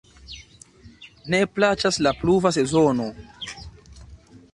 Ne plaĉas la pluva sezono.